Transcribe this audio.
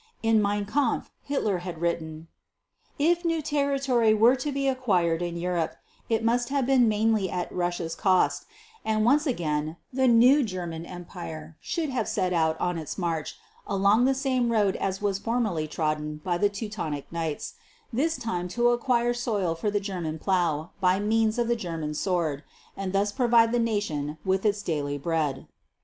In Mein Kampf, Hitler had written: "If new territory were to be acquired in Europe, it must have been mainly at Russia's cost, and once again the new German Empire should have set out on its march along the same road as was formerly trodden by the Teutonic Knights, this time to acquire soil for the German plough by means of the German sword and thus provide the Nation with its daily bread."